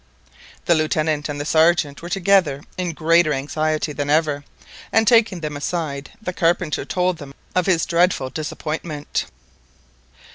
The Lieutenant and the Sergeant were together in greater anxiety than ever, and taking them aside, the carpenter told them of his dreadful disappointment.